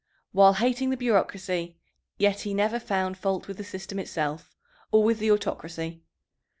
While hating the bureaucracy, yet he never found fault with the system itself or with the autocracy.